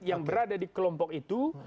yang berada di kelompok itu